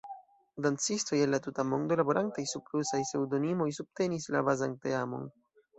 Dancistoj el la tuta mondo laborantaj sub rusaj pseŭdonimoj subtenis la bazan teamon.